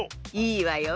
いいわよ。